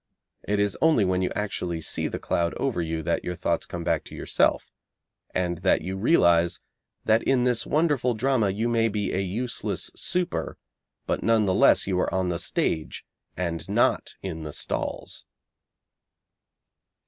It is only when you actually see the cloud over you that your thoughts come back to yourself, and that you realise that in this wonderful drama you may be a useless super, but none the less you are on the stage and not in the stalls.